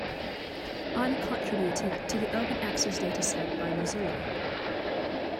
I am a contributor to the open access dataset by Mozilla.